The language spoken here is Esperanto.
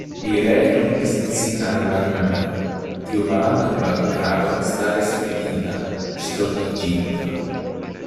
Li ree turnis sin al la knabino, kiu malantaŭ la krado staris rigida, ŝtoniĝinta.